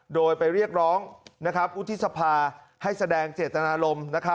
โดยไปเรียกร้องวุฒิสภาให้แสดงเจตนารมณ์